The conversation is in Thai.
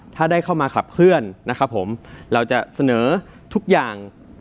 ถ้าได้เข้ามาขับเคลื่อนนะครับผมเราจะเสนอทุกอย่าง